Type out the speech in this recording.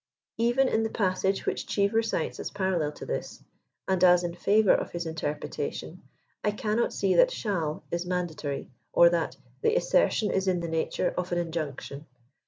Even in the passage which Gheever cites as parallel to this« •and as in favor of his interpretation, I cannot see that " shall" *is mandatory, or that " the assertion is in the nature of an in . junction."